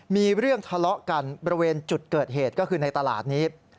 มีเรื่องทะเลาะกันบริเวณจุดเกิดเหตุก็คือในตลาดนี้